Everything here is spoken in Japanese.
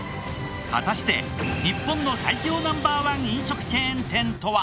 果たして日本の最強Ｎｏ．１飲食チェーン店とは？